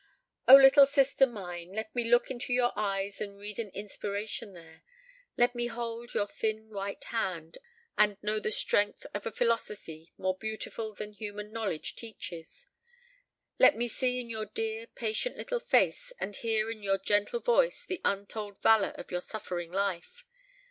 _O little sister mine, let me look into your eyes and read an inspiration there; let me hold your thin white hand and know the strength of a philosophy more beautiful than human knowledge teaches; let me see in your dear, patient little face and hear in your gentle voice the untold valor of your suffering life.